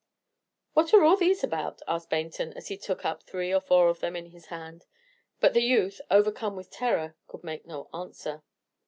"What are all these about?" asked Baynton, as he took up three or four of them in his hand; but the youth, overcome with terror, could make no answer.